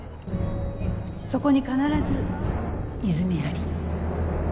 そこに必ず泉あり」。